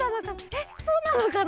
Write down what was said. えっそうなのかな？